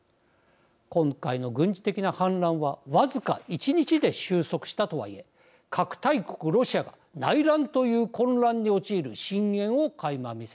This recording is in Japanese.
今回の軍事的な反乱は僅か１日で収束したとはいえ核大国ロシアが内乱という混乱に陥る深えんをかいま見せました。